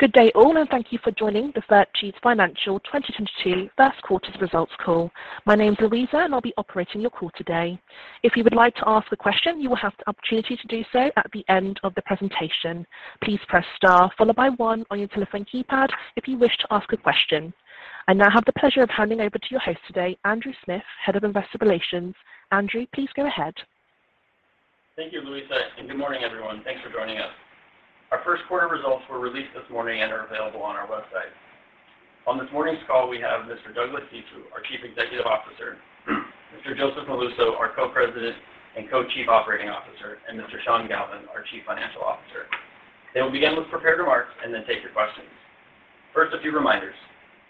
Good day all, and thank you for joining the VIRTU Financial 2022 first quarter results call. My name's Louisa, and I'll be operating your call today. If you would like to ask a question, you will have the opportunity to do so at the end of the presentation. Please press star followed by one on your telephone keypad if you wish to ask a question. I now have the pleasure of handing over to your host today, Andrew Smith, Head of Investor Relations. Andrew, please go ahead. Thank you, Louisa, and good morning, everyone. Thanks for joining us. Our first quarter results were released this morning and are available on our website. On this morning's call, we have Mr. Douglas Cifu, our Chief Executive Officer, Mr. Joseph Molluso, our Co-President and Co-Chief Operating Officer, and Mr. Sean Galvin, our Chief Financial Officer. They will begin with prepared remarks and then take your questions. First, a few reminders.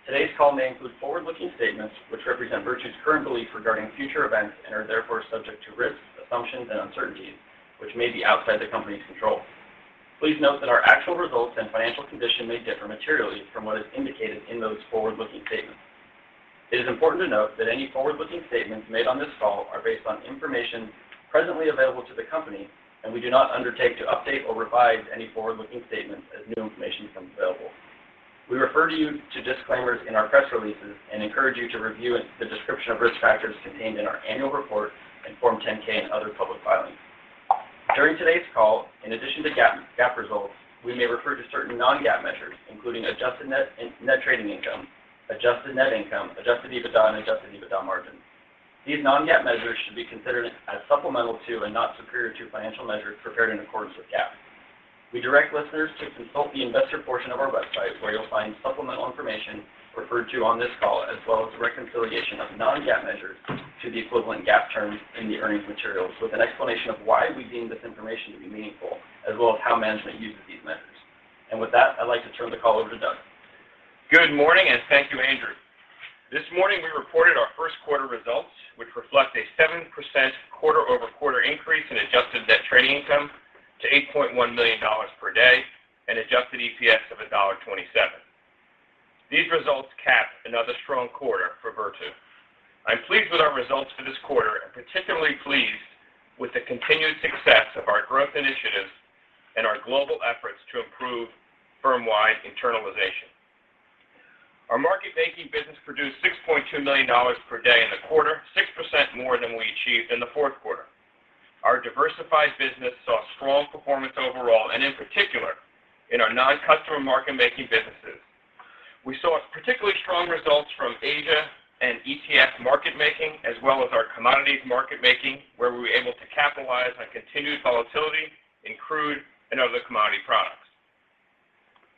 Today's call may include forward-looking statements which represent VIRTU's current belief regarding future events and are therefore subject to risks, assumptions, and uncertainties which may be outside the company's control. Please note that our actual results and financial condition may differ materially from what is indicated in those forward-looking statements. It is important to note that any forward-looking statements made on this call are based on information presently available to the company, and we do not undertake to update or revise any forward-looking statements as new information becomes available. We refer you to disclaimers in our press releases and encourage you to review the description of risk factors contained in our annual report on Form 10-K and other public filings. During today's call, in addition to GAAP results, we may refer to certain non-GAAP measures, including adjusted net trading income, adjusted net income, Adjusted EBITDA, and Adjusted EBITDA margins. These non-GAAP measures should be considered as supplemental to and not superior to financial measures prepared in accordance with GAAP. We direct listeners to consult the investor portion of our website where you'll find supplemental information referred to on this call, as well as reconciliation of non-GAAP measures to the equivalent GAAP terms in the earnings materials with an explanation of why we deem this information to be meaningful, as well as how management uses these measures. With that, I'd like to turn the call over to Doug. Good morning, and thank you, Andrew. This morning, we reported our first quarter results, which reflect a 7% quarter-over-quarter increase in adjusted net trading income to $8.1 million per day and adjusted EPS of $1.27. These results cap another strong quarter for VIRTU. I'm pleased with our results for this quarter, and particularly pleased with the continued success of our growth initiatives and our global efforts to improve firm-wide internalization. Our market-making business produced $6.2 million per day in the quarter, 6% more than we achieved in the fourth quarter. Our diversified business saw strong performance overall, and in particular, in our non-customer market-making businesses. We saw particularly strong results from Asia and ETF market making, as well as our commodities market making, where we were able to capitalize on continued volatility in crude and other commodity products.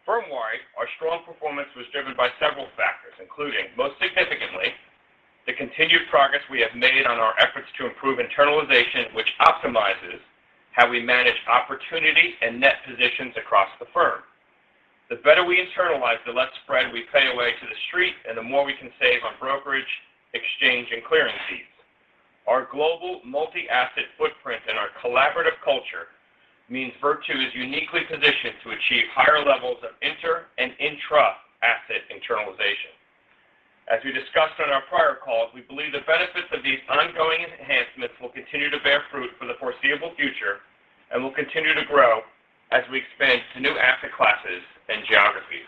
Firm-wide, our strong performance was driven by several factors, including, most significantly, the continued progress we have made on our efforts to improve internalization, which optimizes how we manage opportunity and net positions across the firm. The better we internalize, the less spread we pay away to the street and the more we can save on brokerage, exchange, and clearing fees. Our global multi-asset footprint and our collaborative culture means VIRTU is uniquely positioned to achieve higher levels of inter and intra-asset internalization. As we discussed on our prior calls, we believe the benefits of these ongoing enhancements will continue to bear fruit for the foreseeable future and will continue to grow as we expand to new asset classes and geographies.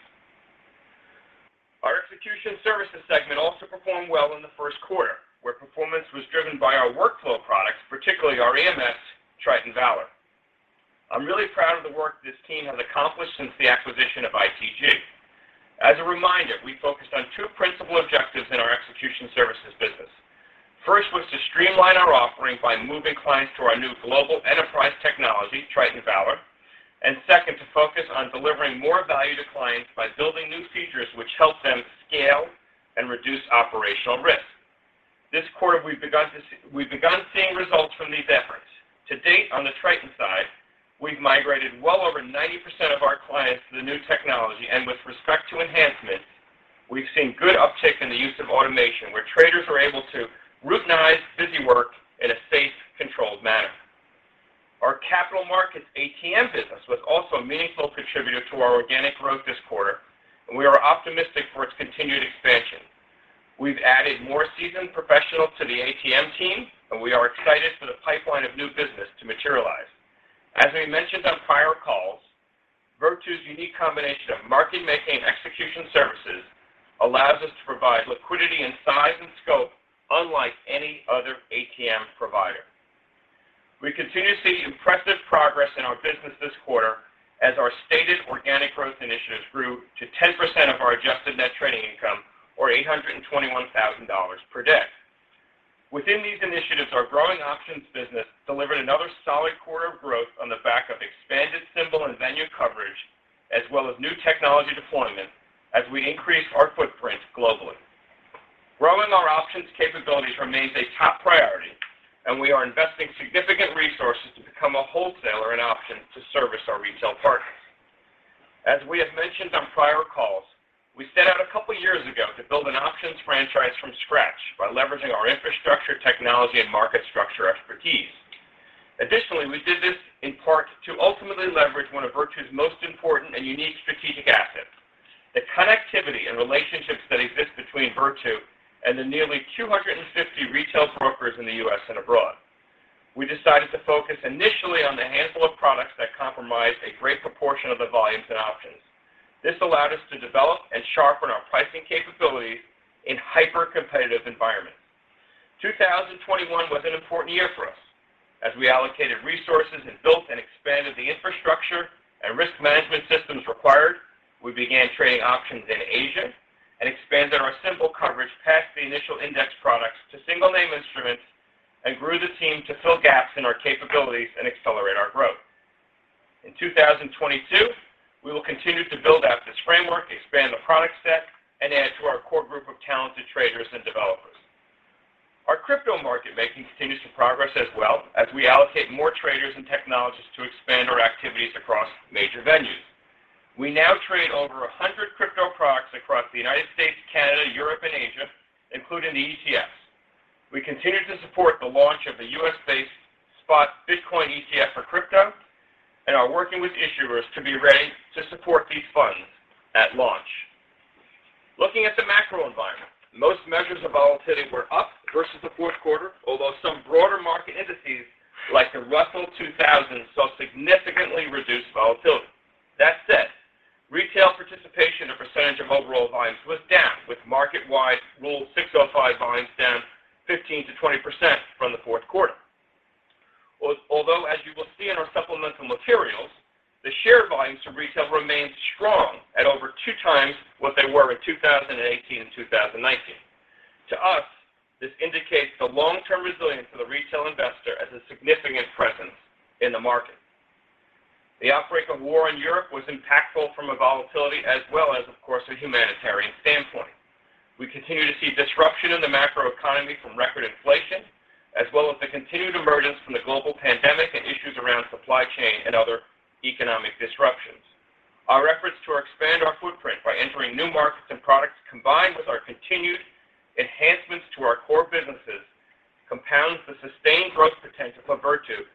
Our execution services segment also performed well in the first quarter, where performance was driven by our workflow products, particularly our EMS, Triton Valor. I'm really proud of the work this team has accomplished since the acquisition of ITG. As a reminder, we focused on two principal objectives in our execution services business. First was to streamline our offering by moving clients to our new global enterprise technology, Triton Valor. Second, to focus on delivering more value to clients by building new features which help them scale and reduce operational risk. This quarter, we've begun seeing results from these efforts. To date, on the Triton side, we've migrated well over 90% of our clients to the new technology. With respect to enhancements, we've seen good uptick in the use of automation, where traders are able to routinize busy work in a safe, controlled manner. Our capital markets ATM business was also a meaningful contributor to our organic growth this quarter, and we are optimistic for its continued expansion. We've added more seasoned professionals to the ATM team, and we are excited for the pipeline of new business to materialize. As we mentioned on prior calls, VIRTU's unique combination of market making execution services allows us to provide liquidity and size and scope unlike any other ATM provider. We continue to see impressive progress in our business this quarter as our stated organic growth initiatives grew to 10% of our Adjusted Net Trading Income or $821,000 per day. Within these initiatives, our growing options business delivered another solid quarter of growth on the back of expanded symbol and venue coverage, as well as new technology deployment as we increase our footprint globally. Growing our options capabilities remains a top priority, and we are investing significant resources to become a wholesaler in options to service our retail partners. As we have mentioned on prior calls, we set out a couple years ago to build an options franchise from scratch by leveraging our infrastructure, technology, and market structure expertise. Additionally, we did this in part to ultimately leverage one of VIRTU's most important and unique strategic assets, the connectivity and relationships that exist between VIRTU and the nearly 250 retail brokers in the U.S. and abroad. We decided to focus initially on the handful of products that comprised a great proportion of the volumes in options. This allowed us to develop and sharpen our pricing capabilities in hyper-competitive environments. 2021 was an important year for us. As we allocated resources and built and expanded the infrastructure and risk management systems required, we began trading options in Asia and expanded our symbol coverage past the initial index products to single name instruments and grew the team to fill gaps in our capabilities and accelerate our growth. In 2022, we will continue to build out this framework, expand the product set, and add to our core group of talented traders and developers. Our crypto market making continues to progress as well as we allocate more traders and technologists to expand our activities across major venues. We now trade over 100 crypto products across the United States, Canada, Europe, and Asia, including the ETFs. We continue to support the launch of the U.S. based spot Bitcoin ETF for crypto and are working with issuers to be ready to support these funds at launch. Looking at the macro environment, most measures of volatility were up versus the fourth quarter, although some broader market indices like the Russell 2000 saw significantly reduced volatility. That said, retail participation or percentage of overall volumes was down, with market-wide Rule 605 volumes down 15%-20% from the fourth quarter. Although, as you will see in our supplemental materials, the share volumes from retail remained strong at over 2x what they were in 2018 and 2019. To us, this indicates the long-term resilience of the retail investor as a significant presence in the market. The outbreak of war in Europe was impactful from a volatility standpoint as well as, of course, a humanitarian standpoint. We continue to see disruption in the macro economy from record inflation, as well as the continued emergence from the global pandemic and issues around supply chain and other economic disruptions. Our efforts to expand our footprint by entering new markets and products, combined with our continued enhancements to our core businesses, compounds the sustained growth potential for VIRTU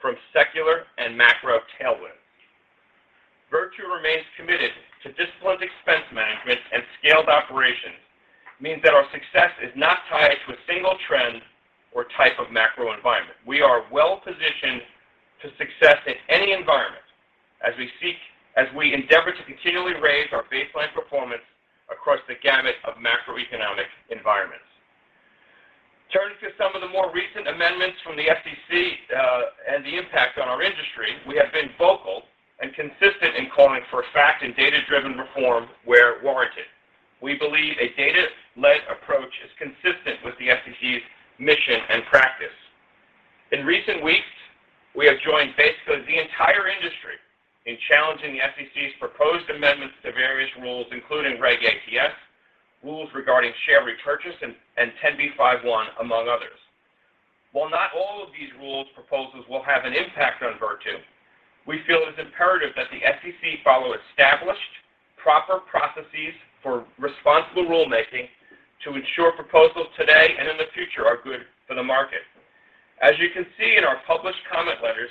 from secular and macro tailwinds. VIRTU remains committed to disciplined expense management and scaled operations. Means that our success is not tied to a single trend or type of macro environment. We are well-positioned to success in any environment as we endeavor to continually raise our baseline performance across the gamut of macroeconomic environments. Turning to some of the more recent amendments from the SEC, and the impact on our industry, we have been vocal and consistent in calling for fact and data-driven reform where warranted. We believe a data-led approach is consistent with the SEC's mission and practice. In recent weeks, we have joined basically the entire industry in challenging the SEC's proposed amendments to various rules, including Reg ATS, rules regarding share repurchase and 10b5-1, among others. While not all of these rules proposals will have an impact on VIRTU, we feel it's imperative that the SEC follow established proper processes for responsible rulemaking to ensure proposals today and in the future are good for the market. As you can see in our published comment letters,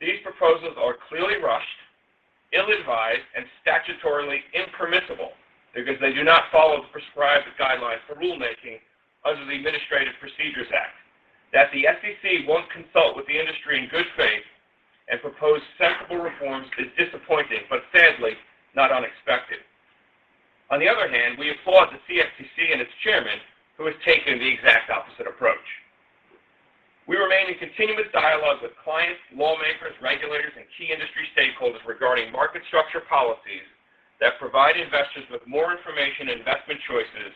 these proposals are clearly rushed, ill-advised, and statutorily impermissible because they do not follow the prescribed guidelines for rulemaking under the Administrative Procedure Act. That the SEC won't consult with the industry in good faith and propose sensible reforms is disappointing but sadly not unexpected. On the other hand, we applaud the CFTC and its chairman who has taken the exact opposite approach. We remain in continuous dialogue with clients, lawmakers, regulators, and key industry stakeholders regarding market structure policies that provide investors with more information and investment choices,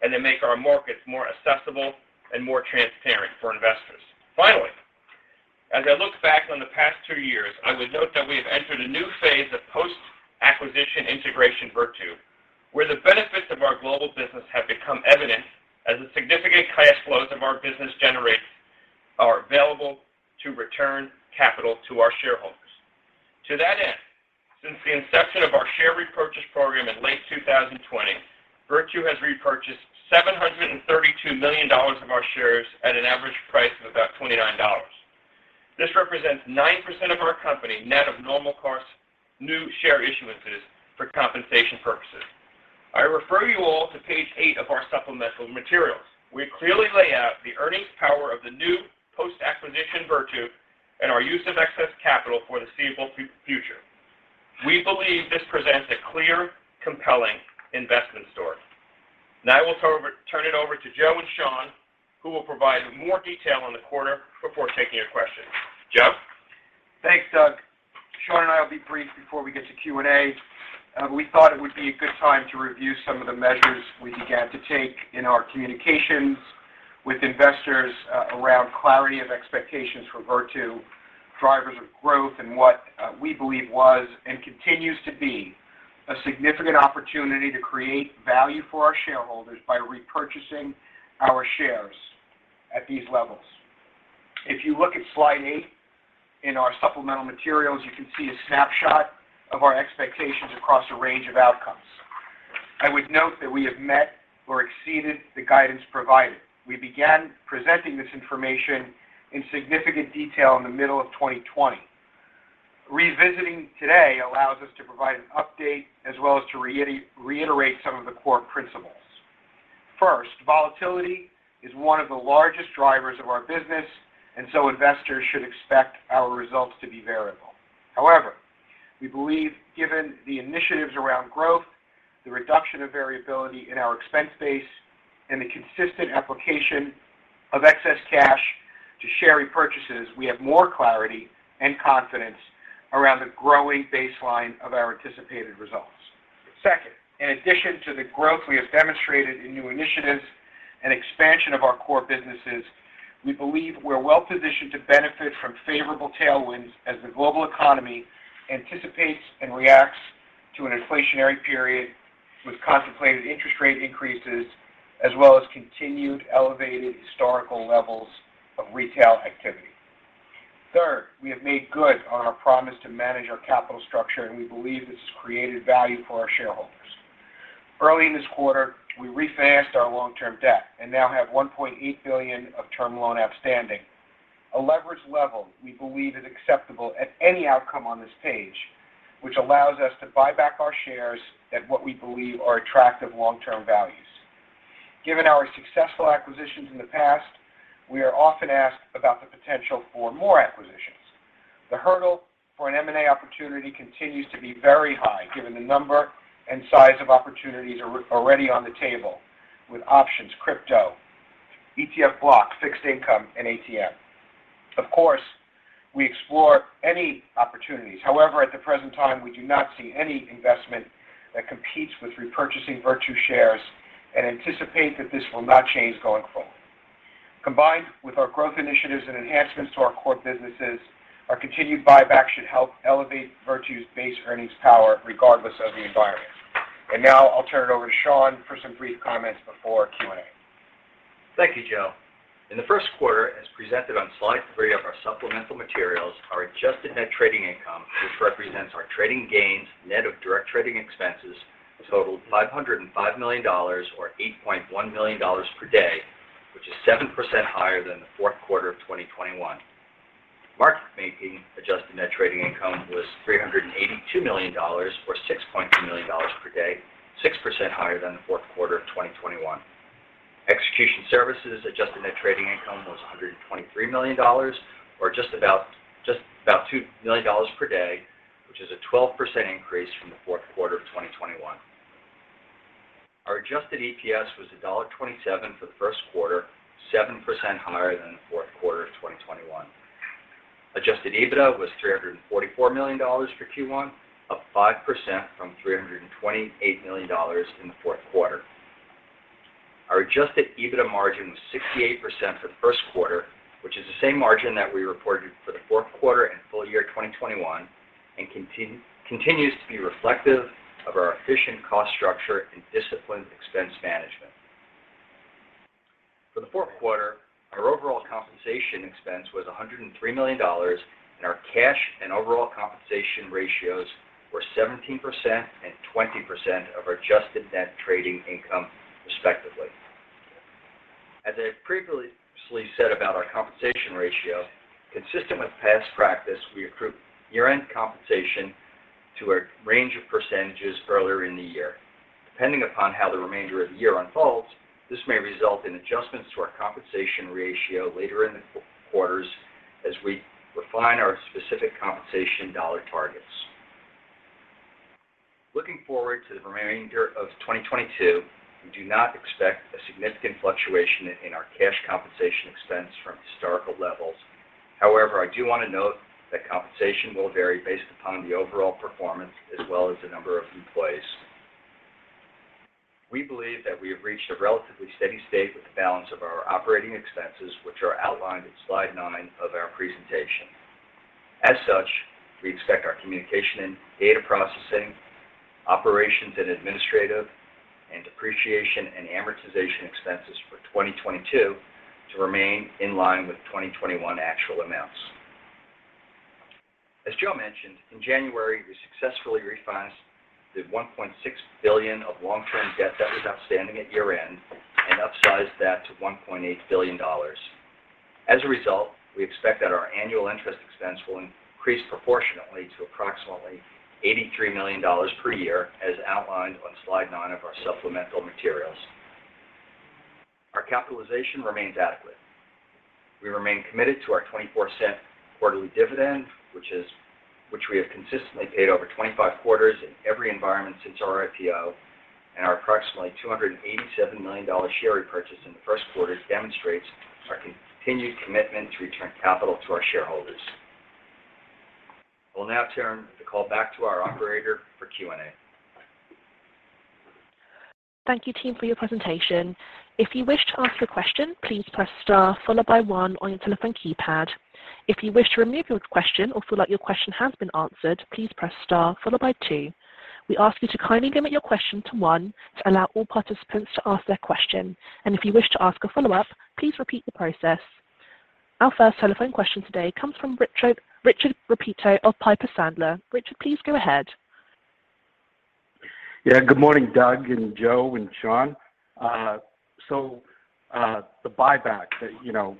and that make our markets more accessible and more transparent for investors. Finally, as I look back on the past two years, I would note that we have entered a new phase of post-acquisition integration VIRTU, where the benefits of our global business have become evident as the significant cash flows of our business are available to return capital to our shareholders. To that end, since the inception of our share repurchase program in late 2020, VIRTU has repurchased $732 million of our shares at an average price of about $29. This represents 9% of our company net of normal course new share issuances for compensation purposes. I refer you all to page 8 of our supplemental materials. We clearly lay out the earnings power of the new post-acquisition VIRTU and our use of excess capital for the foreseeable future. We believe this presents a clear, compelling investment story. Now I will turn it over to Joe and Sean, who will provide more detail on the quarter before taking your questions. Joe? Thanks, Doug. Sean and I will be brief before we get to Q&A. We thought it would be a good time to review some of the measures we began to take in our communications, with investors around clarity of expectations for VIRTU, drivers of growth, and what we believe was and continues to be a significant opportunity to create value for our shareholders by repurchasing our shares at these levels. If you look at slide 8 in our supplemental materials, you can see a snapshot of our expectations across a range of outcomes. I would note that we have met or exceeded the guidance provided. We began presenting this information in significant detail in the middle of 2020. Revisiting today allows us to provide an update as well as to reiterate some of the core principles. First, volatility is one of the largest drivers of our business, and so investors should expect our results to be variable. However, we believe, given the initiatives around growth, the reduction of variability in our expense base and the consistent application of excess cash to share repurchases, we have more clarity and confidence around the growing baseline of our anticipated results. Second, in addition to the growth we have demonstrated in new initiatives and expansion of our core businesses, we believe we're well-positioned to benefit from favorable tailwinds as the global economy anticipates and reacts to an inflationary period with contemplated interest rate increases as well as continued elevated historical levels of retail activity. Third, we have made good on our promise to manage our capital structure, and we believe this has created value for our shareholders. Early in this quarter, we refinanced our long-term debt and now have $1.8 billion of term loan outstanding. A leverage level we believe is acceptable at any outcome on this page, which allows us to buy back our shares at what we believe are attractive long-term values. Given our successful acquisitions in the past, we are often asked about the potential for more acquisitions. The hurdle for an M&A opportunity continues to be very high, given the number and size of opportunities already on the table with options, crypto, ETF blocks, fixed income and ATM. Of course, we explore any opportunities. However, at the present time, we do not see any investment that competes with repurchasing VIRTU shares and anticipate that this will not change going forward. Combined with our growth initiatives and enhancements to our core businesses, our continued buyback should help elevate VIRTU's base earnings power regardless of the environment. Now I'll turn it over to Sean for some brief comments before Q&A. Thank you, Joe. In the first quarter, as presented on slide 3 of our supplemental materials, our Adjusted Net Trading Income, which represents our trading gains, net of direct trading expenses, totaled $505 million or $8.1 million per day, which is 7% higher than the fourth quarter of 2021. Market Making Adjusted Net Trading Income was $382 million or $6.2 million per day, 6% higher than the fourth quarter of 2021. Execution Services Adjusted Net Trading Income was $123 million or just about $2 million per day, which is a 12% increase from the fourth quarter of 2021. Our Adjusted EPS was $1.27 for the first quarter, 7% higher than the fourth quarter of 2021. Adjusted EBITDA was $344 million for Q1, up 5% from $328 million in the fourth quarter. Our adjusted EBITDA margin was 68% for the first quarter, which is the same margin that we reported for the fourth quarter and full year 2021 and continues to be reflective of our efficient cost structure and disciplined expense management. For the fourth quarter, our overall compensation expense was $103 million, and our cash and overall compensation ratios were 17% and 20% of our adjusted net trading income, respectively. As I previously said about our compensation ratio, consistent with past practice, we accrue year-end compensation to a range of percentages earlier in the year. Depending upon how the remainder of the year unfolds, this may result in adjustments to our compensation ratio later in the quarters as we refine our specific compensation dollar targets. Looking forward to the remainder of 2022, we do not expect a significant fluctuation in our cash compensation expense from historical levels. However, I do want to note that compensation will vary based upon the overall performance as well as the number of employees. We believe that we have reached a relatively steady state with the balance of our operating expenses, which are outlined in slide 9 of our presentation. As such, we expect our communication and data processing, operations and administrative, and depreciation and amortization expenses for 2022 to remain in line with 2021 actual amounts. As Joe mentioned, in January, we successfully refinanced the $1.6 billion of long-term debt that was outstanding at year-end and upsized that to $1.8 billion. As a result, we expect that our annual interest expense will increase proportionately to approximately $83 million per year, as outlined on slide 9 of our supplemental materials. Our capitalization remains adequate. We remain committed to our $0.24 Quarterly dividend, which we have consistently paid over 25 quarters in every environment since our IPO, and our approximately $287 million share repurchase in the first quarter demonstrates our continued commitment to return capital to our shareholders. I will now turn the call back to our operator for Q&A. Thank you, team, for your presentation. If you wish to ask a question, please press star followed by one on your telephone keypad. If you wish to remove your question or feel like your question has been answered, please press star followed by two. We ask you to kindly limit your question to one to allow all participants to ask their question. If you wish to ask a follow-up, please repeat the process. Our first telephone question today comes from Richard Repetto of Piper Sandler. Richard, please go ahead. Yeah. Good morning, Doug and Joe and Sean. The buyback, you know,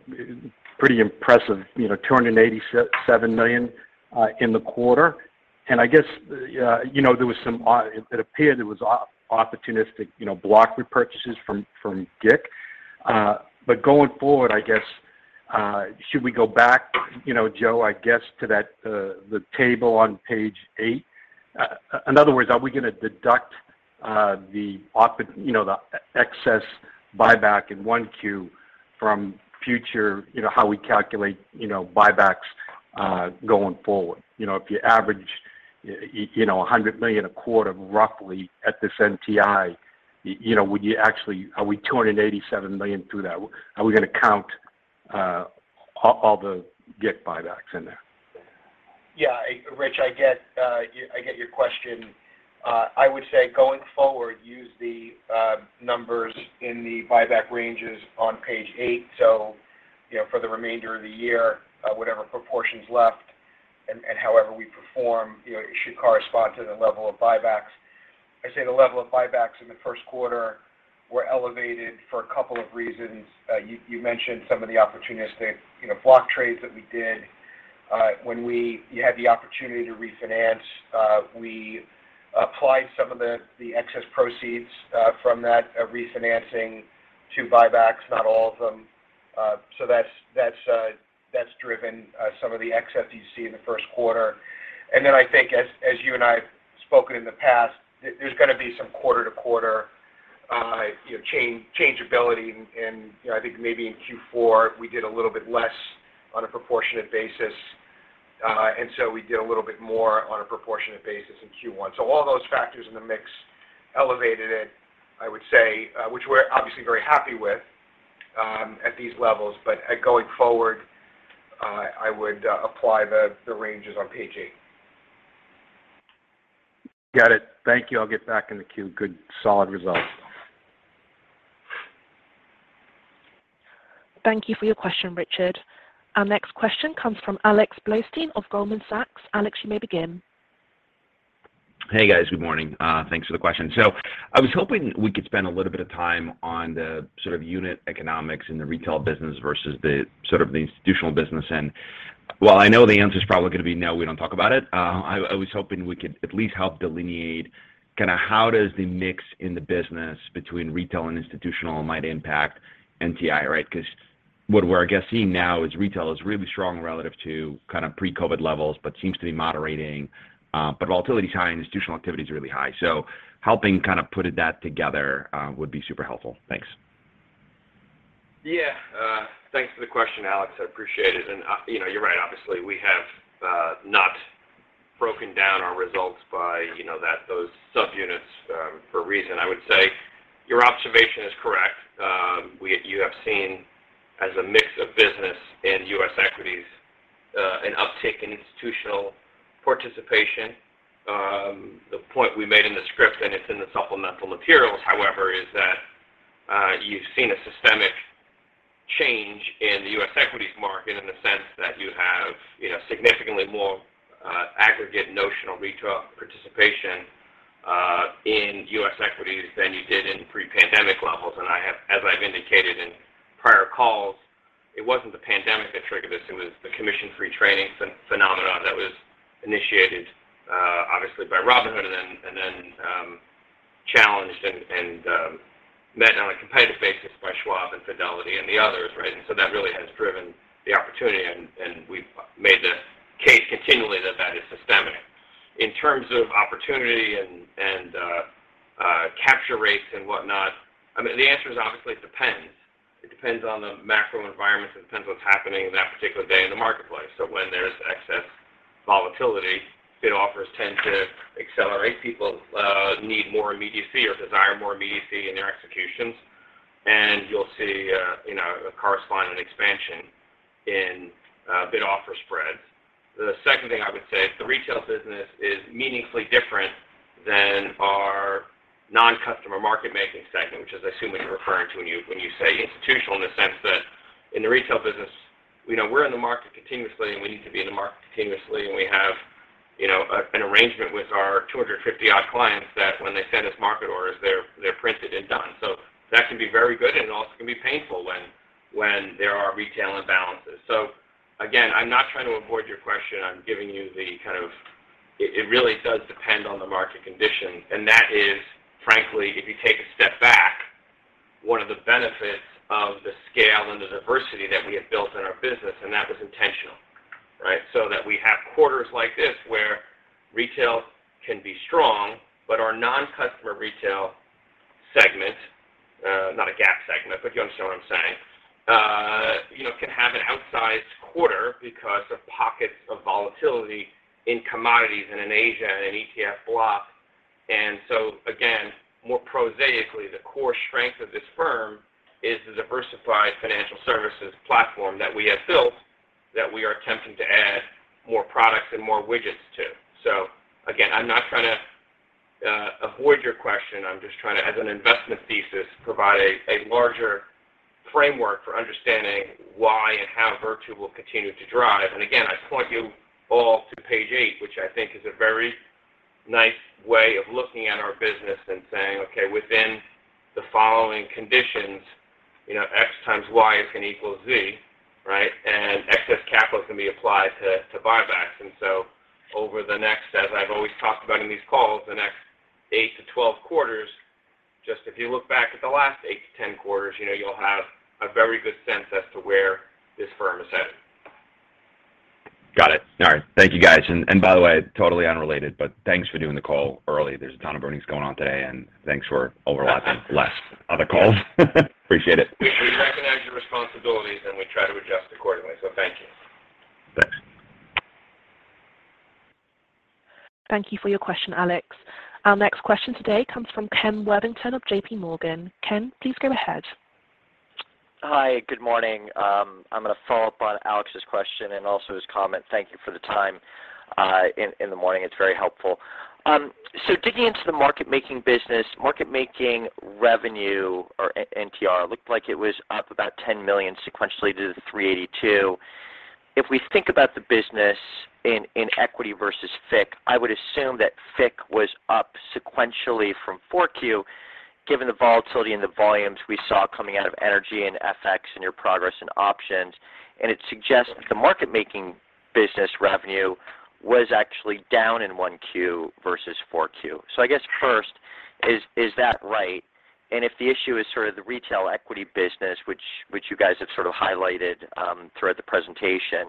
pretty impressive, you know, $287 million in the quarter. I guess, yeah, you know, there was some opportunistic, you know, block repurchases from GIC. Going forward, I guess, should we go back, you know, Joe, I guess to the table on page 8? In other words, are we gonna deduct the excess buyback in Q1 from future how we calculate buybacks going forward? You know, if you average $100 million a quarter roughly at this NTI, you know, would you actually. Are we $287 million through that? Are we gonna count all the GIC buybacks in there? Rich, I get your question. I would say going forward, use the numbers in the buyback ranges on page 8. You know, for the remainder of the year, whatever proportions left and however we perform, you know, it should correspond to the level of buybacks. I say the level of buybacks in the first quarter were elevated for a couple of reasons. You mentioned some of the opportunistic, you know, block trades that we did when we had the opportunity to refinance. We applied some of the excess proceeds from that refinancing to buybacks, not all of them. That's driven some of the excess you see in the first quarter. I think as you and I have spoken in the past, there's gonna be some quarter to quarter changeability. I think maybe in Q4, we did a little bit less on a proportionate basis, and we did a little bit more on a proportionate basis in Q1. All those factors in the mix elevated it, I would say, which we're obviously very happy with at these levels. Going forward, I would apply the ranges on page 8. Got it. Thank you. I'll get back in the queue. Good solid results. Thank you for your question, Richard. Our next question comes from Alex Blostein of Goldman Sachs. Alex, you may begin. Hey, guys. Good morning. Thanks for the question. I was hoping we could spend a little bit of time on the sort of unit economics in the retail business versus the sort of the institutional business. While I know the answer is probably going to be, "No, we don't talk about it," I was hoping we could at least help delineate kind of how does the mix in the business between retail and institutional might impact NTI, right? Because what we're, I guess, seeing now is retail is really strong relative to kind of pre-COVID levels, but seems to be moderating. But volatility is high and institutional activity is really high. Helping kind of putting that together would be super helpful. Thanks. Yeah. Thanks for the question, Alex. I appreciate it. You know, you're right. Obviously, we have not broken down our results by, you know, those subunits for a reason. I would say your observation is correct. You have seen as a mix of business in U.S. equities an uptick in institutional participation. The point we made in the script, and it's in the supplemental materials, however, is that you've seen a systemic change in the U.S. equities market in the sense that you have, you know, significantly more aggregate notional retail participation in U.S. equities than you did in pre-pandemic levels. I have, as I've indicated in prior calls, it wasn't the pandemic that triggered this, it was the commission-free trading phenomena that was initiated, obviously by Robinhood and then challenged and met on a competitive basis by Schwab and Fidelity and the others, right? That really has driven the opportunity, and we've made the case continually that that is systemic. In terms of opportunity and capture rates and whatnot, I mean, the answer is obviously it depends. It depends on the macro environment. It depends what's happening in that particular day in the marketplace. When there's excess volatility, bid offers tend to accelerate. People need more immediacy or desire more immediacy in their executions, and you'll see, you know, a corresponding expansion in bid-offer spreads. The second thing I would say is the retail business is meaningfully different than our non-customer market making segment, which is I assume what you're referring to when you say institutional in the sense that in the retail business, you know, we're in the market continuously, and we need to be in the market continuously. We have, you know, an arrangement with our 250-odd clients that when they send us market orders, they're printed and done. That can be very good, and it also can be painful when there are retail imbalances. Again, I'm not trying to avoid your question. I'm giving you the kind of. It really does depend on the market condition. That is frankly, if you take a step back, one of the benefits of the scale and the diversity that we have built in our business, and that was intentional, right? That we have quarters like this where retail can be strong, but our non-customer retail segment, not a GAAP segment, but you understand what I'm saying, you know, can have an outsized quarter because of pockets of volatility in commodities and in Asia and in ETF blocks. Again, more prosaically, the core strength of this firm is the diversified financial services platform that we have built that we are attempting to add more products and more widgets to. Again, I'm not trying to avoid your question. I'm just trying to, as an investment thesis, provide a larger framework for understanding why and how VIRTU will continue to drive. Again, I point you all to page 8, which I think is a very nice way of looking at our business and saying, "Okay, within the following conditions, you know, X times Y is gonna equal Z, right? Excess capital is going to be applied to buybacks." Over the next, as I've always talked about in these calls, the next eight to 12 quarters, just if you look back at the last 8-10 quarters, you know, you'll have a very good sense as to where this firm is headed. Got it. All right. Thank you, guys. By the way, totally unrelated, but thanks for doing the call early. There's a ton of earnings going on today, and thanks for overlapping less other calls. Appreciate it. We recognize your responsibilities, and we try to adjust accordingly. Thank you. Thanks. Thank you for your question, Alex. Our next question today comes from Ken Worthington of J.P. Morgan. Ken, please go ahead. Hi. Good morning. I'm gonna follow up on Alex's question and also his comment. Thank you for the time in the morning. It's very helpful. Digging into the market making business. Market making revenue or NTI looked like it was up about $10 million sequentially to the $382. If we think about the business in equity versus FICC, I would assume that FICC was up sequentially from 4Q, given the volatility in the volumes we saw coming out of energy and FX and your progress and options. It suggests the market making business revenue was actually down in 1Q versus 4Q. I guess first, is that right? If the issue is sort of the retail equity business, which you guys have sort of highlighted throughout the presentation,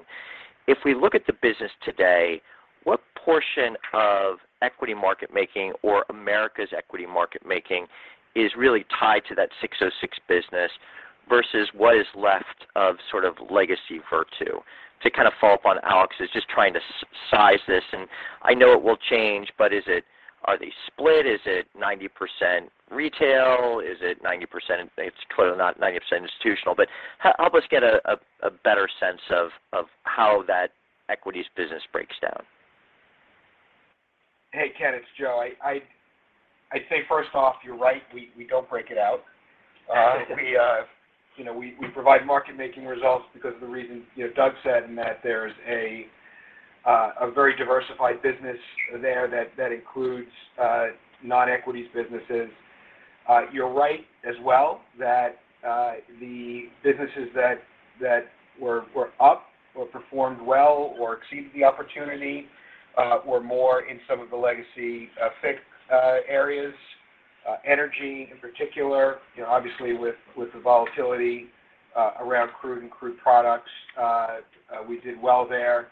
if we look at the business today, what portion of equity market making or America's equity market making is really tied to that 606 business versus what is left of sort of legacy VIRTU? To kind of follow up on Alex's just trying to size this, and I know it will change, but are they split? Is it 90% retail? Is it 90%—it's clearly not 90% institutional, but help us get a better sense of how that equities business breaks down. Hey, Ken, it's Joe. I'd say first off, you're right. We don't break it out. You know, we provide market-making results because of the reasons, you know, Doug said and that there's a very diversified business there that includes non-equities businesses. You're right as well that the businesses that were up or performed well or exceeded the opportunity were more in some of the legacy FICC areas, energy in particular. You know, obviously with the volatility around crude and crude products, we did well there.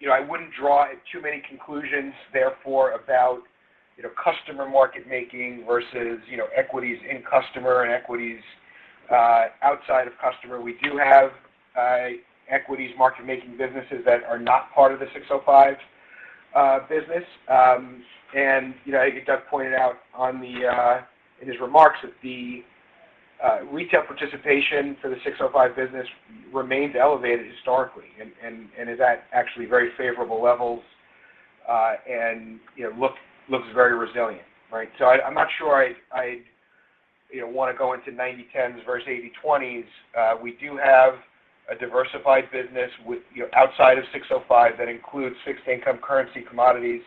You know, I wouldn't draw too many conclusions, therefore, about you know, customer market making versus you know, equities in customer and equities outside of customer. We do have equities market making businesses that are not part of the 605 business. You know, I think Doug pointed out in his remarks that the retail participation for the 605 business remains elevated historically and is at actually very favorable levels, and you know, looks very resilient, right? I'm not sure I'd you know, wanna go into 90-10s versus 80-20s. We do have a diversified business with you know, outside of 605 that includes fixed income, currency, commodities,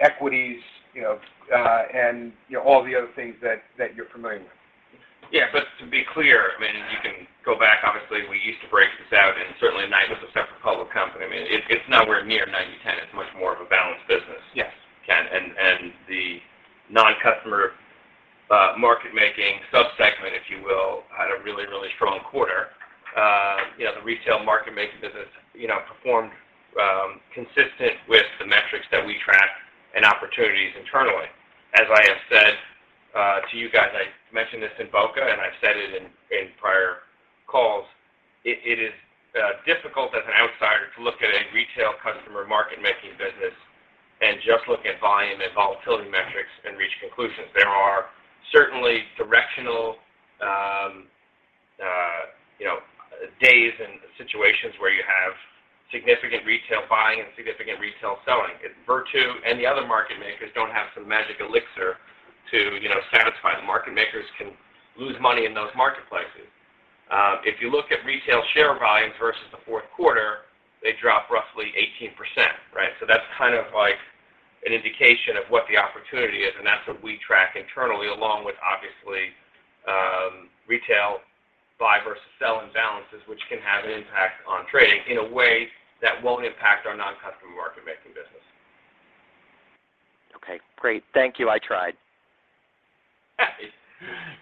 equities, you know, and all the other things that you're familiar with. Yeah. To be clear, I mean, you can go back. Obviously, we used to break this out, and certainly Knight Capital was a separate public company. I mean, it's nowhere near 90-10. It's much more of a balanced business. Yes. Ken. The non-customer market-making sub-segment, if you will, had a really strong quarter. You know, the retail market-making business, you know, performed consistent with the metrics that we track and opportunities internally. As I have said to you guys, I mentioned this in Boca, and I've said it in prior calls, it is difficult as an outsider to look at a retail customer market-making business and just look at volume and volatility metrics and reach conclusions. There are certainly directional, you know, days and situations where you have significant retail buying and significant retail selling. VIRTU and the other market makers don't have some magic elixir to, you know, satisfy. The market makers can lose money in those marketplaces. If you look at retail share volumes versus the fourth quarter, they dropped roughly 18%, right? that's kind of like an indication of what the opportunity is, and that's what we track internally, along with obviously, retail buy versus sell imbalances, which can have an impact on trading in a way that won't impact our non-customer market-making business. Okay, great. Thank you. I tried.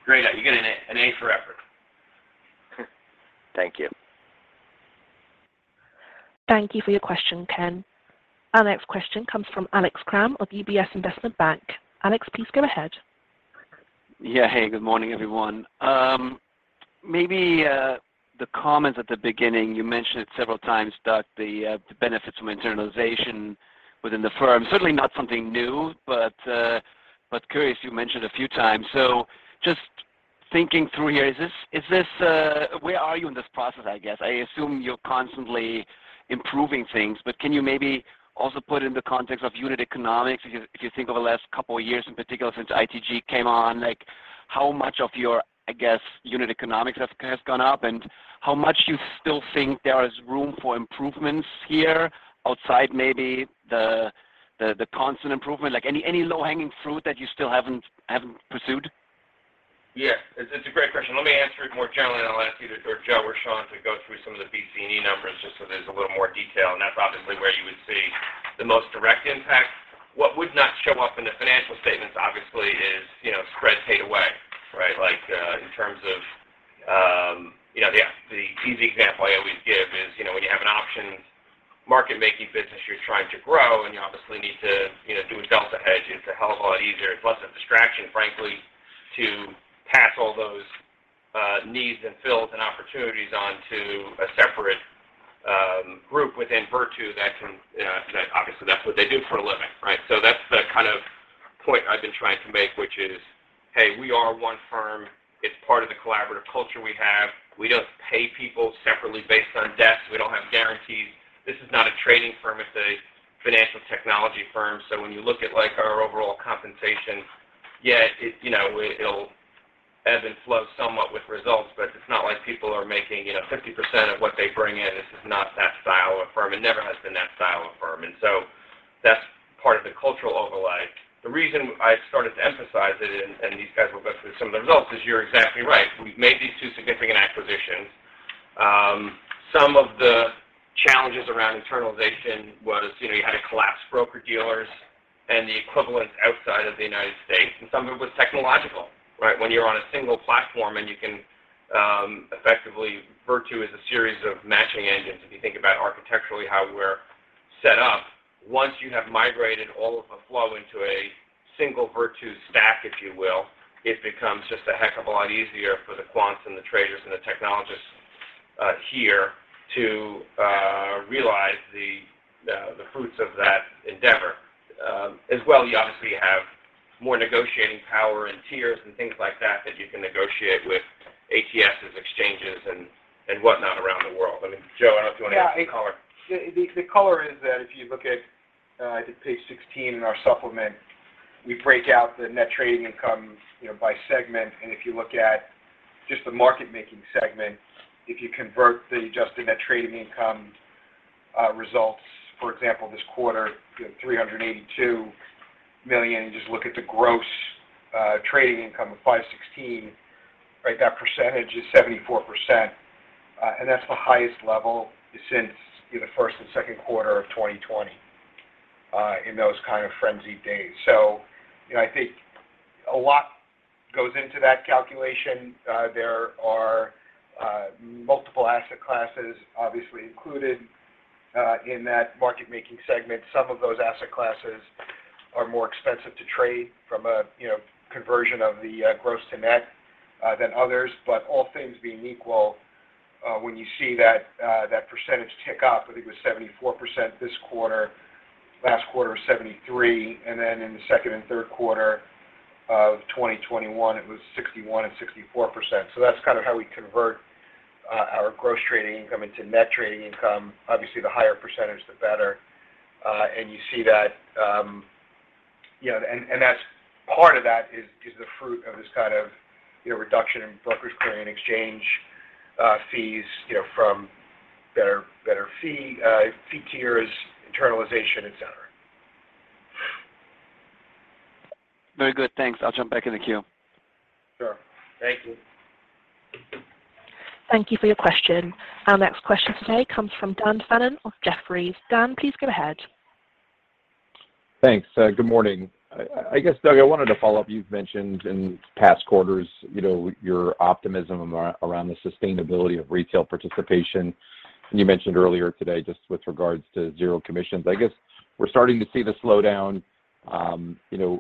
Great. You get an E, an E for effort. Thank you. Thank you for your question, Ken. Our next question comes from Alex Kramm of UBS Investment Bank. Alex, please go ahead. Yeah. Hey, good morning, everyone. Maybe the comment at the beginning, you mentioned it several times, Doug, the benefits from internalization within the firm. Certainly not something new, but curious, you mentioned a few times. Just thinking through here, is this where you are in this process, I guess? I assume you're constantly improving things, but can you maybe also put in the context of unit economics if you think over the last couple of years, in particular since ITG came on, like how much of your unit economics has gone up? And how much you still think there is room for improvements here outside maybe the constant improvement? Like, any low-hanging fruit that you still haven't pursued? Yes. It's a great question. Let me answer it more generally, and I'll ask either Joe or Sean to go through some of the BC&E numbers just so there's a little more detail, and that's obviously where you would see the most direct impact. What would not show up in the financial statements, obviously, is, you know, spreads fade away, right? Like, in terms of, you know, the easy example I always give is, you know, when you have an option market-making business you're trying to grow and you obviously need to, you know, do a delta hedge, it's a hell of a lot easier, it's less of a distraction, frankly, to pass all those, needs and fills and opportunities on to a separate, group within VIRTU that can, you know, that obviously that's what they do for a living, right? That's the kind of point I've been trying to make, which is, "Hey, we are one firm. It's part of the collaborative culture we have. We don't pay people separately based on desks. We don't have guarantees. This is not a trading firm, it's a financial technology firm." When you look at, like, our overall compensation, yeah, you know, it'll ebb and flow somewhat with results, but it's not like people are making, you know, 50% of what they bring in. This is not that style of firm. It never has been that style of firm. That's part of the cultural overlay. The reason I started to emphasize it, and these guys will go through some of the results, is you're exactly right. We've made these two significant acquisitions. Some of the challenges around internalization was, you know, you had to collapse broker-dealers and the equivalents outside of the United States, and some of it was technological, right? When you're on a single platform, VIRTU is a series of matching engines. If you think about architecturally how we're set up, once you have migrated all of the flow into a single VIRTU stack, if you will, it becomes just a heck of a lot easier for the quants and the traders and the technologists here to realize the fruits of that endeavor. As well, you obviously have more negotiating power in tiers and things like that that you can negotiate with ATSs, exchanges, and whatnot around the world. I mean, Joe, I don't know if you wanna add any color. The color is that if you look at, I think page 16 in our supplement, we break out the net trading income, you know, by segment. If you look at just the market making segment, if you convert the adjusted net trading income results, for example, this quarter, you know, $382 million, and just look at the gross trading income of $516 million, right? That percentage is 74%. That's the highest level since, you know, first and second quarter of 2020, in those kind of frenzied days. I think a lot goes into that calculation. There are multiple asset classes obviously included in that market-making segment. Some of those asset classes are more expensive to trade from a, you know, conversion of the gross to net than others. All things being equal, when you see that percentage tick up, I think it was 74% this quarter, last quarter was 73%, and then in the second and third quarter of 2021 it was 61% and 64%. That's kind of how we convert our gross trading income into net trading income. Obviously, the higher percentage, the better. You see that, you know, and that's part of that is the fruit of this kind of, you know, reduction in brokerage, clearance and exchange fees, you know, from better fee tiers, internalization, et cetera. Very good. Thanks. I'll jump back in the queue. Sure. Thank you. Thank you for your question. Our next question today comes from Dan Fannon of Jefferies. Dan, please go ahead. Thanks. Good morning. I guess, Doug, I wanted to follow up. You've mentioned in past quarters, you know, your optimism around the sustainability of retail participation, and you mentioned earlier today just with regards to zero commissions. I guess we're starting to see the slowdown. You know,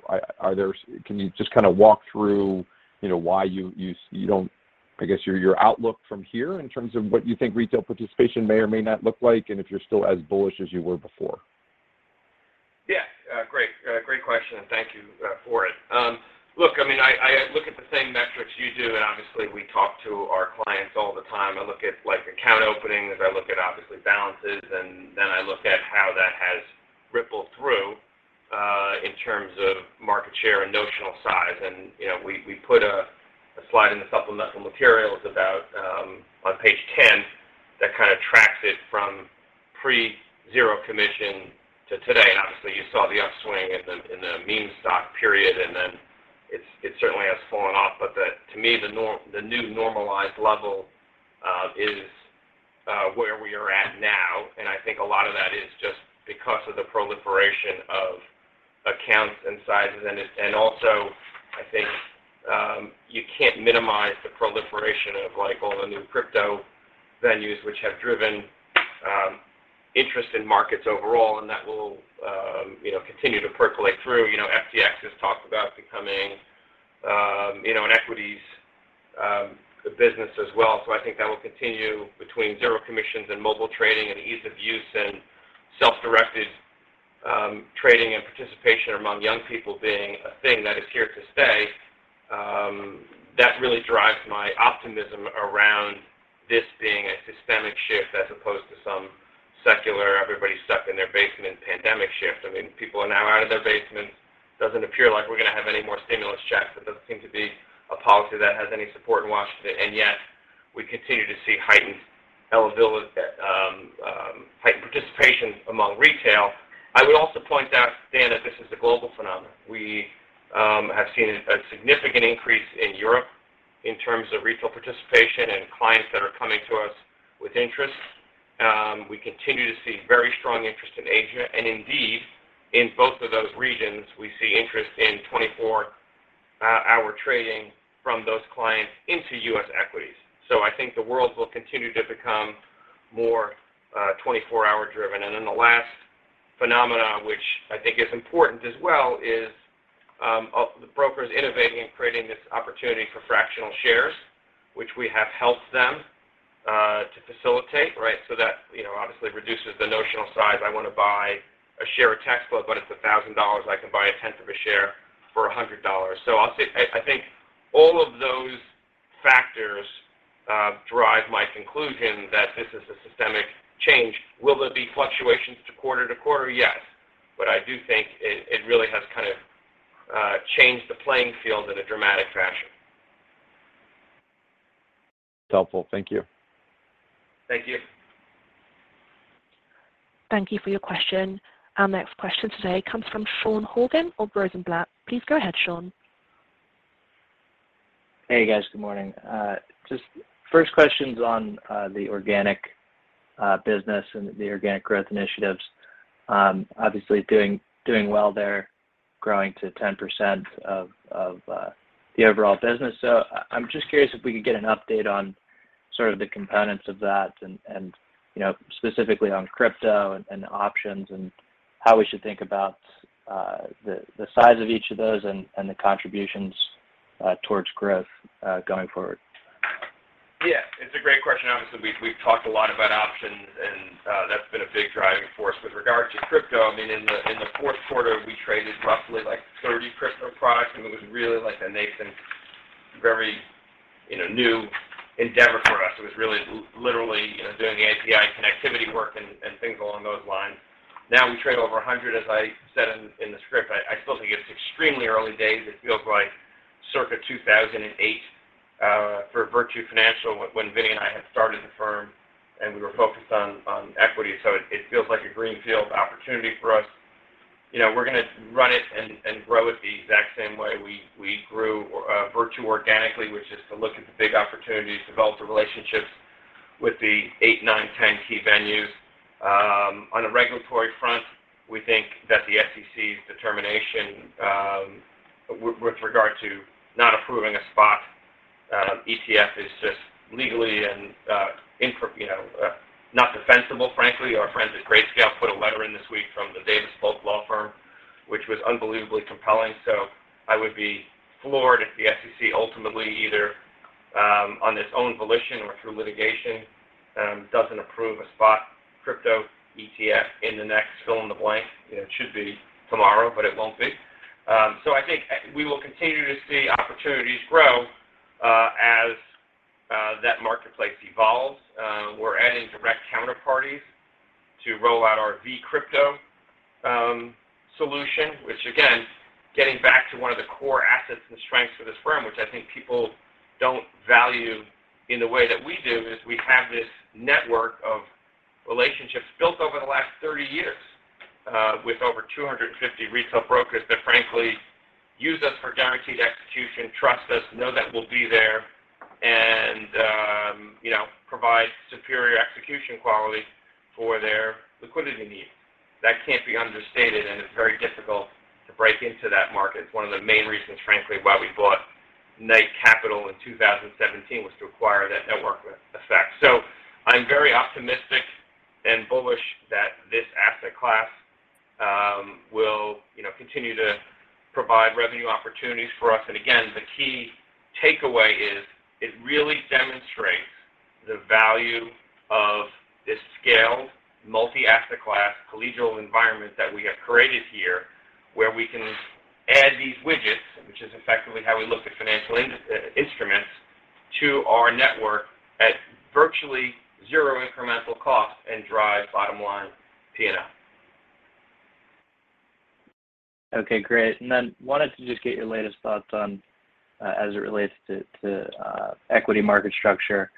can you just kinda walk through, you know, why you don't, I guess, your outlook from here in terms of what you think retail participation may or may not look like, and if you're still as bullish as you were before? Yeah. Great question, and thank you for it. Look, I mean, I look at the same metrics you do, and obviously we talk to our clients all the time. I look at, like, account openings. I look at, obviously, balances. Then I look at how that has rippled through in terms of market share and notional size. You know, we put a slide in the supplemental materials about on page 10, that kind of tracks it from pre-zero commission to today. Obviously you saw the upswing in the meme stock period, and then it certainly has fallen off. But to me, the new normalized level is where we are at now, and I think a lot of that is just because of the proliferation of accounts and sizes. I think you can't minimize the proliferation of, like, all the new crypto venues which have driven interest in markets overall, and that will, you know, continue to percolate through. You know, FTX has talked about becoming, you know, an equities business as well. I think that will continue between zero commissions and mobile trading and ease of use and self-directed trading and participation among young people being a thing that is here to stay. That really drives my optimism around this being a systemic shift as opposed to some secular, everybody's stuck in their basement pandemic shift. I mean, people are now out of their basements. Doesn't appear like we're gonna have any more stimulus checks. That doesn't seem to be a policy that has any support in Washington, and yet we continue to see heightened participation among retail. I would also point out, Dan, that this is a global phenomenon. We have seen a significant increase in Europe in terms of retail participation and clients that are coming to us with interest. We continue to see very strong interest in Asia. Indeed, in both of those regions, we see interest in 24-hour trading from those clients into U.S. equities. I think the world will continue to become more 24-hour driven. Then the last phenomenon, which I think is important as well, is the brokers innovating and creating this opportunity for fractional shares, which we have helped them to facilitate, right? That, you know, obviously reduces the notional size. I want to buy a share of Tesla, but it's $1,000. I can buy a 1/10 of a share for $100. I'll say I think all of those factors drive my conclusion that this is a systemic change. Will there be fluctuations quarter to quarter? Yes. I do think it really has kind of changed the playing field in a dramatic fashion. Helpful. Thank you. Thank you. Thank you for your question. Our next question today comes from Sean Horgan of Rosenblatt. Please go ahead, Sean. Hey, guys. Good morning. Just first question is on the organic business and the organic growth initiatives. Obviously doing well there, growing to 10% of the overall business. I'm just curious if we could get an update on sort of the components of that and, you know, specifically on crypto and options and how we should think about the size of each of those and the contributions towards growth going forward. Yeah, it's a great question. Obviously, we've talked a lot about options, and that's been a big driving force. With regard to crypto, I mean, in the fourth quarter, we traded roughly, like, 30 crypto products, and it was really like a nascent, very, you know, new endeavor for us. It was really literally, you know, doing the API connectivity work and things along those lines. Now we trade over 100, as I said in the script. I still think it's extremely early days. It feels like circa 2008 for VIRTU Financial when Vini and I had started the firm and we were focused on equity. It feels like a greenfield opportunity for us. You know, we're gonna run it and grow it the exact same way we grew VIRTU organically, which is to look at the big opportunities, develop the relationships with the eight, nine, ten key venues. On the regulatory front, we think that the SEC's determination with regard to not approving a spot ETF is just legally and, you know, not defensible, frankly. Our friends at Grayscale put a letter in this week from the Davis Polk law firm, which was unbelievably compelling. I would be floored if the SEC ultimately either on its own volition or through litigation doesn't approve a spot crypto ETF in the next fill in the blank. It should be tomorrow, but it won't be. I think we will continue to see opportunities grow as that marketplace evolves. We're adding direct counterparties to roll out our vCrypto solution, which again, getting back to one of the core assets and strengths of this firm, which I think people don't value in the way that we do, is we have this network of relationships built over the last 30 years with over 250 retail brokers that frankly use us for guaranteed execution, trust us, know that we'll be there and, you know, provide superior execution quality for their liquidity needs. That can't be understated, and it's very difficult to break into that market. It's one of the main reasons, frankly, why we bought Knight Capital in 2017, was to acquire that network effect. I'm very optimistic and bullish that this asset class will, you know, continue to provide revenue opportunities for us. The key takeaway is it really demonstrates the value of this scaled, multi-asset class, collegial environment that we have created here, where we can add these widgets, which is effectively how we look at financial instruments, to our network at virtually zero incremental cost and drive bottom-line P&L. Okay, great. Wanted to just get your latest thoughts on, as it relates to, equity market structure.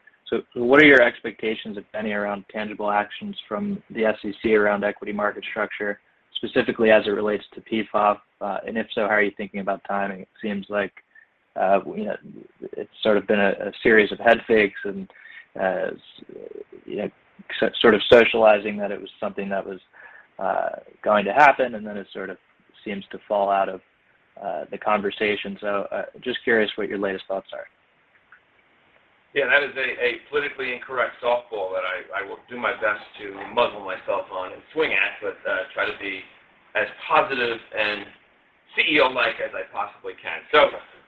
What are your expectations, if any, around tangible actions from the SEC around equity market structure, specifically as it relates to PFOF? And if so, how are you thinking about timing? It seems like, you know, it's sort of been a series of head fakes and, you know, sort of socializing that it was something that was going to happen, and then it sort of seems to fall out of the conversation. Just curious what your latest thoughts are. Yeah, that is a politically incorrect softball that I will do my best to muzzle myself on and swing at, but try to be as positive and CEO-like as I possibly can.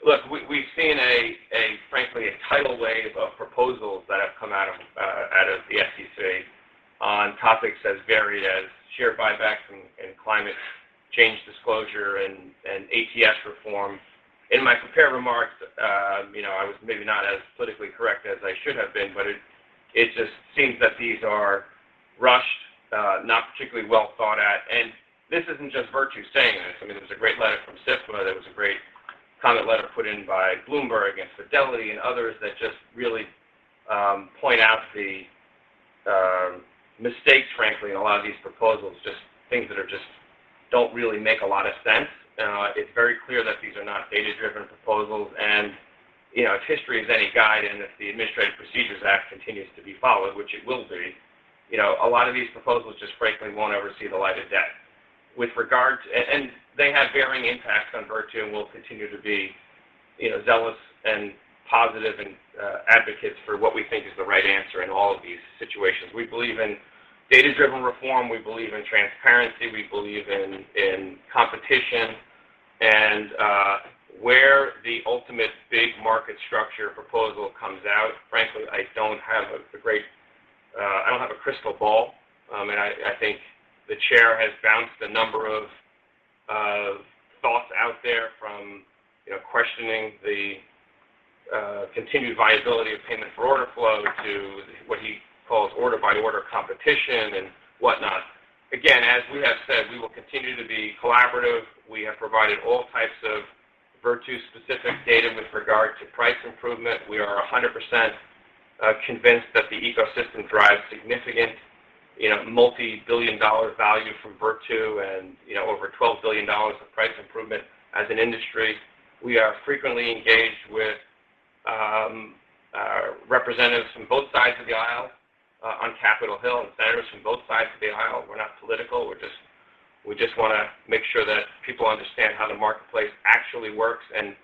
Look, we've seen frankly a tidal wave of proposals that have come out of out of the SEC on topics as varied as share buybacks and climate change disclosure and ATS reform. In my prepared remarks, you know, I was maybe not as politically correct as I should have been, but it just seems that these are rushed not particularly well thought out. This isn't just VIRTU saying this. I mean, there was a great letter from Sysco, there was a great comment letter put in by Bloomberg, and Fidelity, and others that just really point out the mistakes, frankly, in a lot of these proposals, just things that don't really make a lot of sense. It's very clear that these are not data-driven proposals. You know, if history is any guide, and if the Administrative Procedure Act continues to be followed, which it will be, you know, a lot of these proposals just frankly won't ever see the light of day. They have varying impacts on VIRTU and will continue to be, you know, zealous and positive and advocates for what we think is the right answer in all of these situations. We believe in data-driven reform, we believe in transparency, we believe in competition. And where the ultimate big market structure proposal comes out, frankly, I don't have a crystal ball. I think the chair has bounced a number of thoughts out there from, you know, questioning the continued viability of payment for order flow to what he calls order-by-order competition and whatnot. Again, as we have said, we will continue to be collaborative. We have provided all types of VIRTU-specific data with regard to price improvement. We are 100% convinced that the ecosystem drives significant, you know, multi-billion dollar value from VIRTU and, you know, over $12 billion of price improvement as an industry. We are frequently engaged with representatives from both sides of the aisle on Capitol Hill and Senators from both sides of the aisle. We're not political, we're just wanna make sure that people understand how the marketplace actually works, and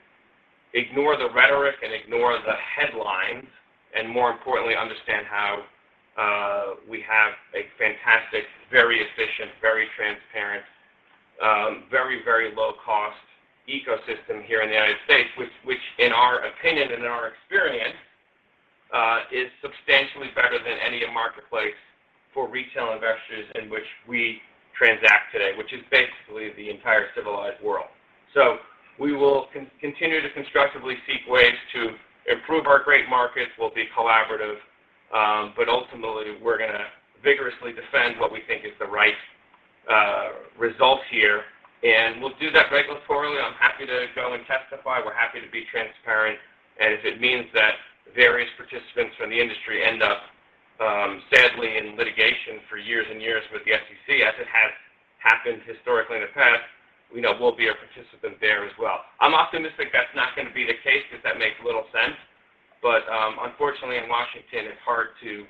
ignore the rhetoric, and ignore the headlines, and more importantly, understand how we have a fantastic, very efficient, very transparent, very, very low cost ecosystem here in the United States, which in our opinion and in our experience is substantially better than any marketplace for retail investors in which we transact today, which is basically the entire civilized world. We will continue to constructively seek ways to improve our great markets. We'll be collaborative, but ultimately, we're gonna vigorously defend what we think is the right result here, and we'll do that regulatorily. I'm happy to go and testify. We're happy to be transparent. If it means that various participants from the industry end up, sadly in litigation for years and years with the SEC, as it has happened historically in the past, we know we'll be a participant there as well. I'm optimistic that's not gonna be the case because that makes little sense. Unfortunately in Washington, it's hard to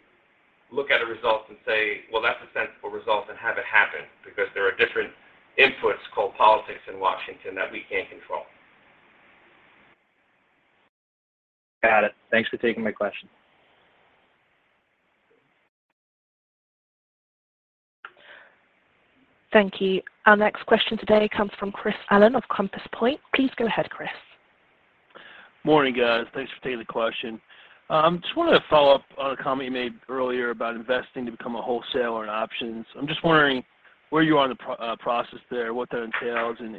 look at a result and say, "Well, that's a sensible result," and have it happen, because there are different inputs called politics in Washington that we can't control. Got it. Thanks for taking my question. Thank you. Our next question today comes from Chris Allen of Compass Point. Please go ahead, Chris. Morning, guys. Thanks for taking the question. Just wanted to follow up on a comment you made earlier about investing to become a wholesaler in options. I'm just wondering where you are in the process there, what that entails, and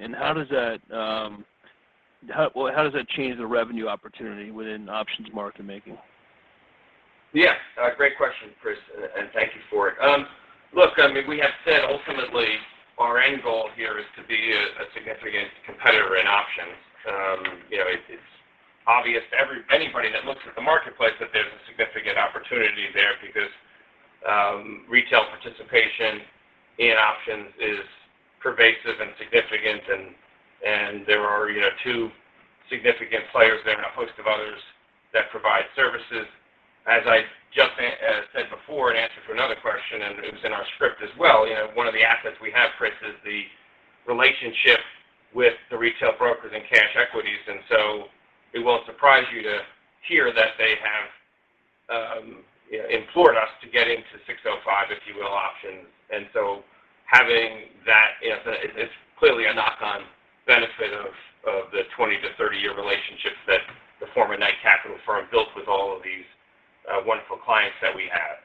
well, how does that change the revenue opportunity within options market making? Yeah. Great question, Chris, and thank you for it. Look, I mean, we have said ultimately our end goal here is to be a significant competitor in options. You know, it's obvious to everybody that looks at the marketplace that there's a significant opportunity there because retail participation in options is pervasive and significant and there are, you know, two significant players there and a host of others that provide services. As I just said before in answer to another question, and it was in our script as well, you know, one of the assets we have, Chris, is the relationship with the retail brokers in cash equities. So it won't surprise you to hear that they have, you know, implored us to get into 605, if you will, options. Having that as it's clearly a knock-on benefit of the 20- to 30-year relationships that the former Knight Capital firm built with all of these wonderful clients that we have.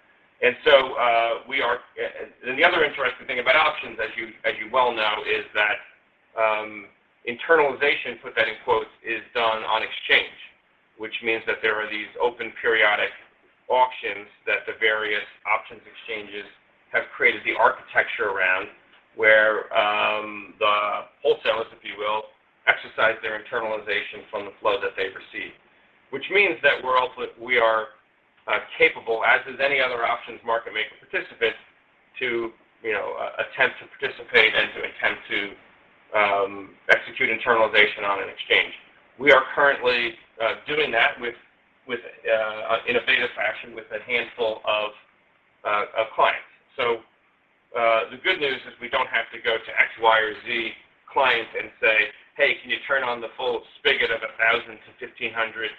The other interesting thing about options, as you well know, is that "internalization" is done on exchange. Which means that there are these open periodic auctions that the various options exchanges have created the architecture around, where the wholesalers, if you will, exercise their internalization from the flow that they receive. Which means that we are capable, as is any other options market maker participant, to attempt to participate and execute internalization on an exchange. We are currently doing that in a beta fashion with a handful of clients. The good news is we don't have to go to X, Y, or Z client and say, "Hey, can you turn on the full spigot of 1,000 to 1,500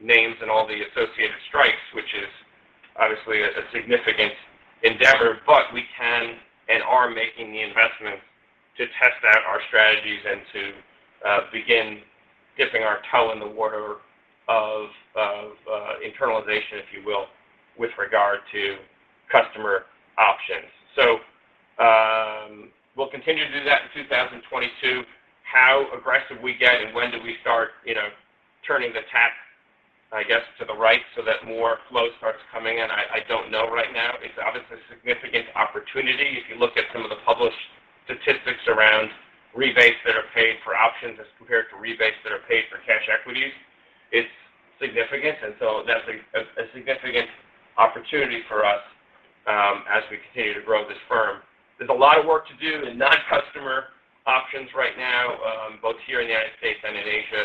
names and all the associated strikes?" Which is obviously a significant endeavor, but we can and are making the investment to test out our strategies and to begin dipping our toe in the water of internalization, if you will, with regard to customer options. We'll continue to do that in 2022. How aggressive we get and when do we start, you know, turning the tap, I guess, to the right so that more flow starts coming in, I don't know right now. It's obviously a significant opportunity. If you look at some of the published statistics around rebates that are paid for options as compared to rebates that are paid for cash equities, it's significant. That's a significant opportunity for us as we continue to grow this firm. There's a lot of work to do in non-customer options right now, both here in the United States and in Asia.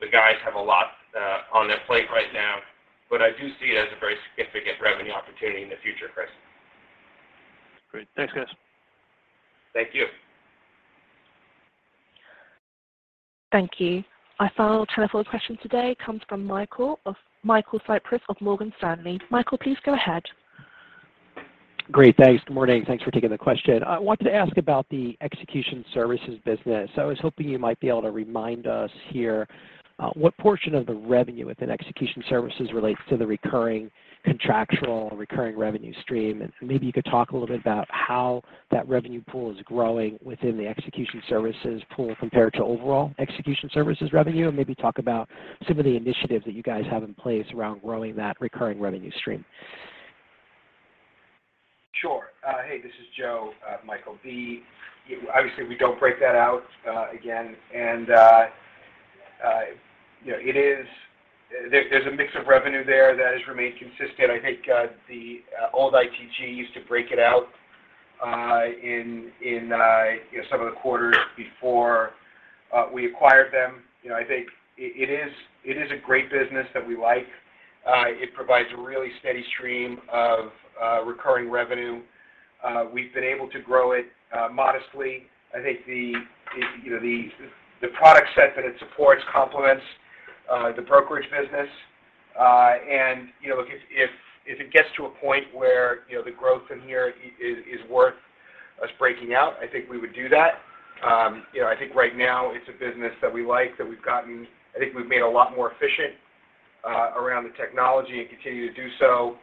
The guys have a lot on their plate right now, but I do see it as a very significant revenue opportunity in the future, Chris. Great. Thanks, guys. Thank you. Thank you. Our final telephone question today comes from Michael Cyprys of Morgan Stanley. Michael, please go ahead. Great. Thanks. Good morning. Thanks for taking the question. I wanted to ask about the execution services business. I was hoping you might be able to remind us here, what portion of the revenue within execution services relates to the recurring revenue stream. Maybe you could talk a little bit about how that revenue pool is growing within the execution services pool compared to overall execution services revenue, and maybe talk about some of the initiatives that you guys have in place around growing that recurring revenue stream. Sure. Hey, this is Joe, Michael. Obviously, we don't break that out again. You know, it is. There's a mix of revenue there that has remained consistent. I think the old ITG used to break it out in you know, some of the quarters before we acquired them. You know, I think it is a great business that we like. It provides a really steady stream of recurring revenue. We've been able to grow it modestly. I think the you know, the product set that it supports complements the brokerage business. You know, look, if it gets to a point where you know, the growth in here is worth us breaking out, I think we would do that. You know, I think right now it's a business that we like, that we've made a lot more efficient around the technology and continue to do so.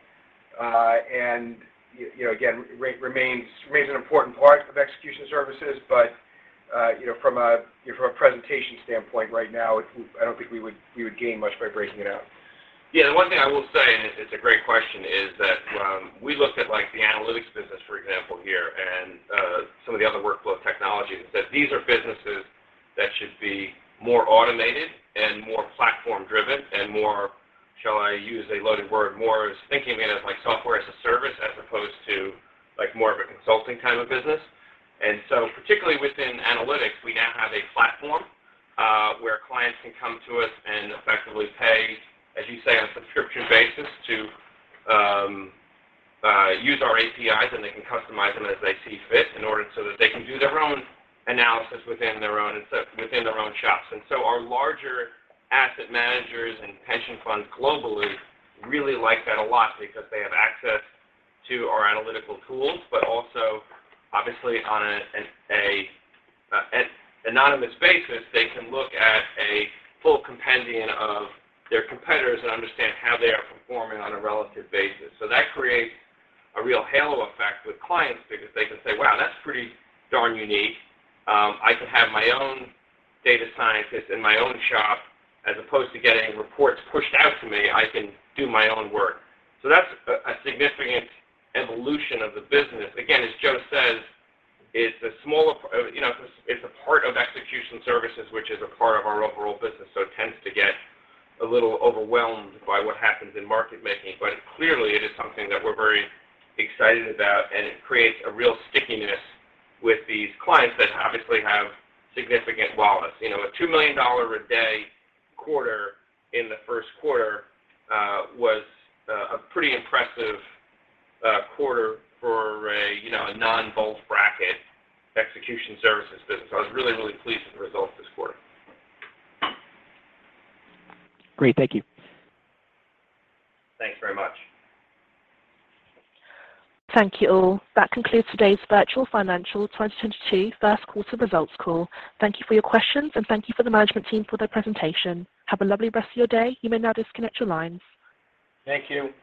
You know, again, remains an important part of execution services. But you know, from a presentation standpoint right now, I don't think we would gain much by breaking it out. Yeah. The one thing I will say, and it's a great question, is that we looked at, like, the analytics business, for example, here and some of the other workflow technologies, and said these are businesses that should be more automated and more platform-driven and more, shall I use a loaded word, more as thinking in as like software as a service, as opposed to, like, more of a consulting kind of business. Particularly within analytics, we now have a platform where clients can come to us and effectively pay, as you say, on a subscription basis to use our APIs, and they can customize them as they see fit in order so that they can do their own analysis within their own shops. Our larger asset managers and pension funds globally really like that a lot because they have access to our analytical tools, but also obviously on an anonymous basis, they can look at a full compendium of their competitors and understand how they are performing on a relative basis. That creates a real halo effect with clients because they can say, "Wow, that's pretty darn unique. I can have my own data scientist in my own shop. As opposed to getting reports pushed out to me, I can do my own work." That's a significant evolution of the business. Again, as Joe says, it's a small, you know, it's a part of execution services, which is a part of our overall business, so it tends to get a little overwhelmed by what happens in market making. Clearly it is something that we're very excited about, and it creates a real stickiness with these clients that obviously have significant wallets. You know, a $2 million a day quarter in the first quarter was a pretty impressive quarter for a, you know, a non-bulge bracket execution services business. I was really, really pleased with the results this quarter. Great. Thank you. Thanks very much. Thank you all. That concludes today's VIRTU Financial 2022 first quarter results call. Thank you for your questions, and thank you for the management team for their presentation. Have a lovely rest of your day. You may now disconnect your lines. Thank you.